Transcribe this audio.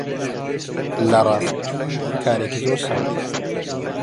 لە ڕاستی کارێکی زۆر سادەیە